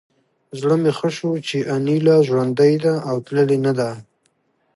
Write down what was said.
زړه مې ښه شو چې انیلا ژوندۍ ده او تللې نه ده